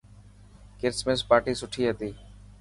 ڪرسمس پارٽي سٺي هتي.